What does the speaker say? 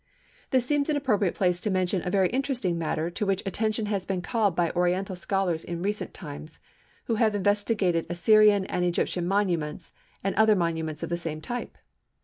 This seems an appropriate place to mention a very interesting matter, to which attention has been called by Oriental scholars in recent times, who have investigated Assyrian and Egyptian monuments, and other monuments of the same type.